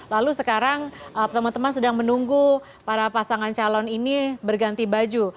lalu sekarang teman teman sedang menunggu para pasangan calon ini berganti baju